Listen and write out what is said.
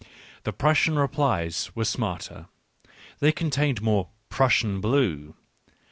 The Prussian replies were smarter; they contained more" Prussian blue."